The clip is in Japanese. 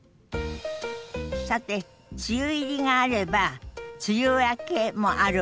さて梅雨入りがあれば梅雨明けもあるわね。